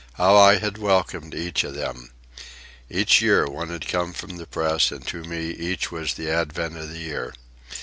How I had welcomed each of them! Each year one had come from the press, and to me each was the advent of the year.